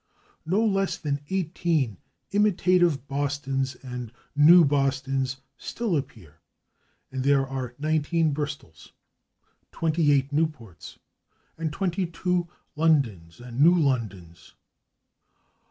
No less than eighteen imitative [Pg288] /Bostons/ and /New Bostons/ still appear, and there are nineteen /Bristols/, twenty eight /Newports/, and twenty two /Londons/ and /New Londons